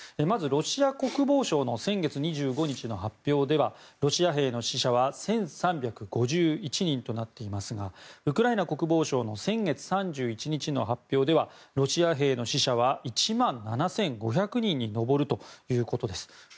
まず、ロシア国防省の先月２５日の発表ではロシア兵の死者は１３５１人となっていますがウクライナ国防省の先月３１日の発表ではロシア兵の死者は１万７５００人に上るということです。